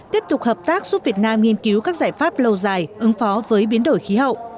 tiếp tục hợp tác giúp việt nam nghiên cứu các giải pháp lâu dài ứng phó với biến đổi khí hậu